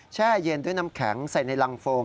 แช่เย็นด้วยน้ำแข็งใส่ในรังโฟม